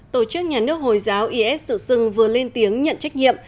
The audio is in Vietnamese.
tổ chức nhà nước hồi giáo is dự sừng vừa lên tiếng nhận trách nhiệm